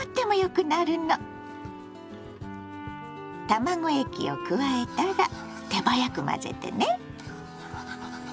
卵液を加えたら手早く混ぜてね。